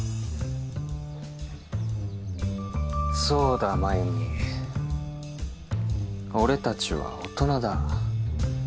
そうだ真由美俺たちは大人だ。